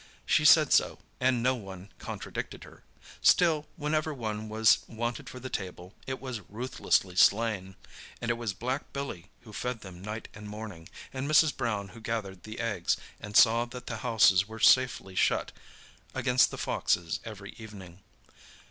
She said so, and no one contradicted her. Still, whenever one was wanted for the table, it was ruthlessly slain. And it was black Billy who fed them night and morning, and Mrs. Brown who gathered the eggs, and saw that the houses were safely shut against the foxes every evening.